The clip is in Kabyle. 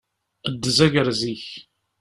Ddez agerz-ik!